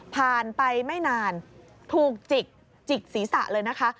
ผ่านไปไม่นานถูกจิกศีรษะเลยนะคะ